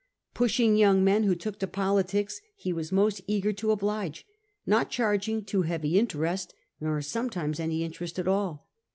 Push ing young men who took to politics he was most eager to oblige, not charging too heavy interest, nor sometimes any interest at all.